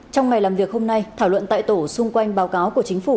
trong ngày làm việc hôm nay thảo luận tại tổ xung quanh báo cáo của chính phủ